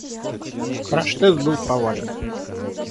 Краш-тест был провален.